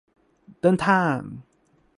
เดินทาง !